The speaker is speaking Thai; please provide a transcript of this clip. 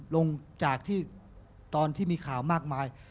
ลงจากที่ตอนที่มีข่าวมากมาย